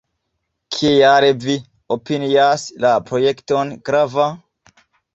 Kial vi opinias la projekton grava?